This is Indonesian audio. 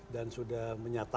dan sudah menyatakan